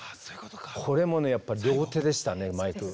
これもやっぱり両手でしたね、マイク。